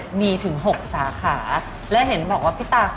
การที่บูชาเทพสามองค์มันทำให้ร้านประสบความสำเร็จ